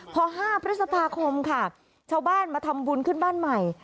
พอ๕พฤษภาคมค่ะชาวบ้านมาทำบุญขึ้นบ้านใหม่